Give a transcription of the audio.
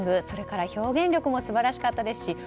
それから表現力も素晴らしかったですし、